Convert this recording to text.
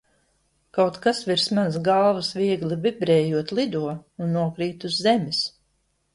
Kaut kas virs manas galvas, viegli vibrējot, lido un nokrīt uz zemes.